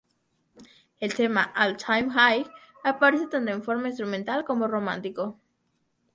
El tema "All Time High" aparece tanto en forma instrumental como romántico.